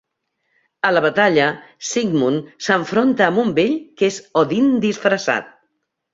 A la batalla, Sigmund s'enfronta amb un vell que és Odin disfressat.